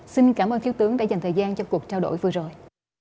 xin cảm ơn thiếu tướng đã dành thời gian cho cuộc trao đổi vừa rồi